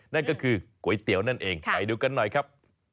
นั่นก็คือก๋วยเตี๋ยวนั่นเองไปดูกันหน่อยครับ